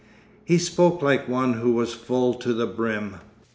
He spoke like one who was full to the brim.